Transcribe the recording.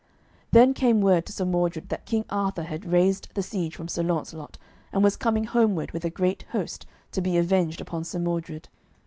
Then came word to Sir Mordred that King Arthur had raised the siege from Sir Launcelot, and was coming homeward with a great host, to be avenged upon Sir Mordred.